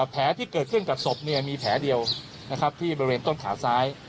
แผลที่เกิดขึ้นกับศพมีแผลเดียวที่บริเวณต้นขาซ้าย